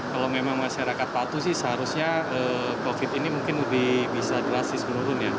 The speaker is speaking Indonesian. kalau memang masyarakat patuh sih seharusnya covid ini mungkin lebih bisa drastis menurun ya